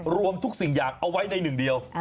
รวมทุกสิ่งอย่างเอาไว้ในหนึ่งเดียว